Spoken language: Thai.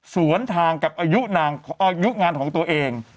สวนทางกับอายุงานของตัวเอง